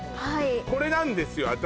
はいこれなんですよ